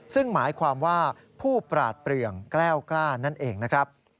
ซึ่งหมายความว่าผู้ปราดเปลืองแกล้วกล้านั่นเองนะครับ